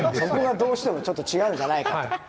そこがどうしてもちょっと違うんじゃないかと。